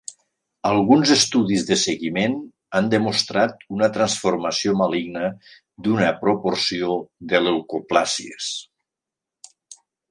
Alguns estudis de seguiment han demostrat una transformació maligna d'una proporció de leucoplàsies.